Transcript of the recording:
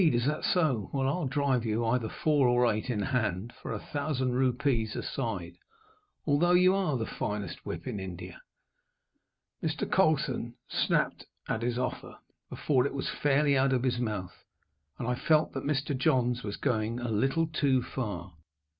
Is that so? Well, I'll drive you either four, or eight, in hand, for a thousand rupees a side, although you are the finest whip in India." Mr. Colson snapped at his offer, before it was fairly out of his mouth, and I felt that Mr. Johns was going a little too far.